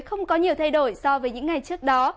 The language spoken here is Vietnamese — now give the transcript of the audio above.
không có nhiều thay đổi so với những ngày trước đó